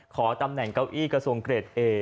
ขอตำแหน่งเก้าอี้กระทรวงเกรดเอ